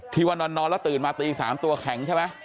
ที่ว่านอนแล้วตื่นมาตี๓ตัวแข็งใช่ไหม